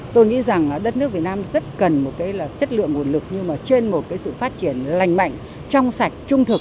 tôi nghĩ rằng đất nước việt nam rất cần một cái là chất lượng nguồn lực nhưng mà trên một cái sự phát triển lành mạnh trong sạch trung thực